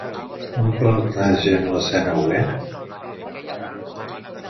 On planteja l'escena Huguet?